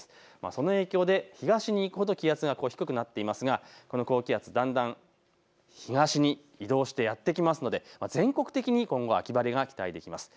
その影響で東に行くほど気圧が低くなっていますがこの高気圧はだんだん東に移動してやって来るので全国的に今後、秋晴れが期待されます。